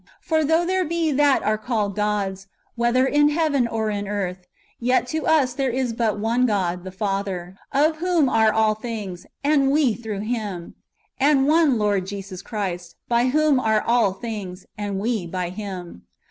For though there be that are called gods, whether in hgaven or in earth ; yet to us there is but one God, the Father, of whom are all things, and we through Him ; and one Lord Jesus Christ, by whom are all things, and we by Him."